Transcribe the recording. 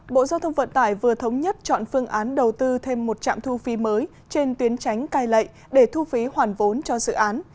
bộ giao thông vận tải vừa thống nhất chọn phương án đầu tư thêm một trạm thu phí mới trên tuyến tránh cai lệ để thu phí hoàn vốn cho dự án